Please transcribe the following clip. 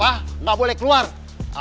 semoga berhasil bekerja